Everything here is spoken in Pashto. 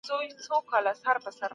آیا ته د کتاب ارزښت پېژنې؟